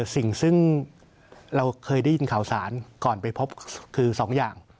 สิ่งซึ่งเราเคยได้ยินข่าวสารก่อนไปพบคือ๒อย่าง